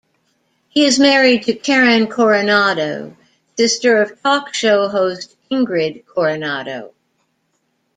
He is married to Karen Coronado, sister of talk show host Ingrid Coronado.